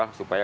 ini untuk apa